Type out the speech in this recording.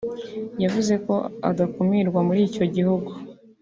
yavuze ko adakumirwa muri icyo gihugu